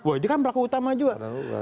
wah ini kan pelaku utama juga